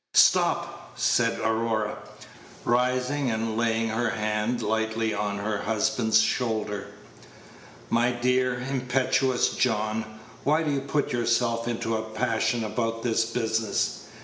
"Stop," said Aurora, rising and laying her hand lightly on her husband's shoulder. "My dear, impetuous John, why do you put yourself into a passion about this business?